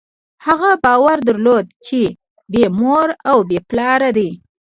هغه باور درلود، چې بېمور او بېپلاره دی.